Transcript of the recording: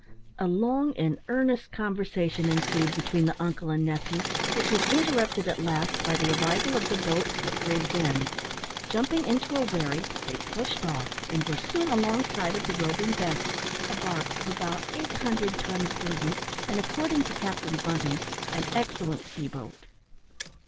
A long and earnest conversation ensued between the uncle and nephew, which was interrupted at last, by the arrival of the boat at Gravesend. Jumping into a wherry, they pushed off, and were soon alongside of the Roving Bess, a barque of about eight hundred tons burden, and, according to Captain Bunting, "an excellent sea boat."